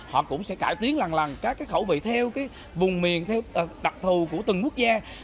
họ cũng sẽ cải tiến lần lằn các cái khẩu vị theo vùng miền theo đặc thù của từng quốc gia